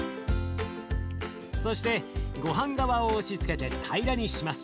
そしてごはん側を押しつけて平らにします。